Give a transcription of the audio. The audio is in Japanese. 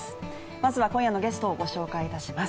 まずは今夜のゲストをご紹介します。